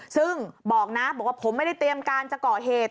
ซึ่งบอกนะบอกว่าผมไม่ได้เตรียมการจะก่อเหตุ